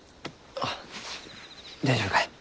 あっ大丈夫かえ？